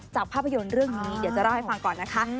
ภาพยนตร์เรื่องนี้เดี๋ยวจะเล่าให้ฟังก่อนนะคะ